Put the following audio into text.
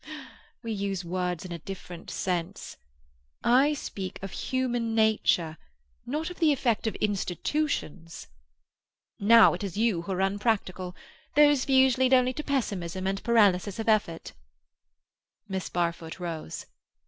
"Ah, we use words in a different sense. I speak of human nature, not of the effect of institutions." "Now it is you who are unpractical. Those views lead only to pessimism and paralysis of effort." Miss Barfoot rose.